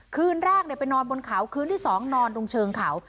คืนแรกไปนอนบนเขาคืนที่๒นอนตรงเชิงเขา